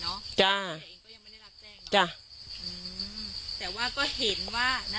ได้รับแจ้งว่าเด็กหายเนอะใช่ยังไม่ได้รับแจ้งน่ะฮืมแต่ว่าก็เห็นว่า